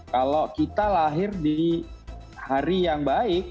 kalau kita lahir di hari yang baik